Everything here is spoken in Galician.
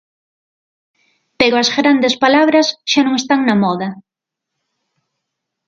Pero as grandes palabras xa non están na moda.